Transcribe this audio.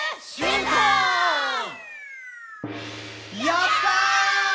「やったー！！」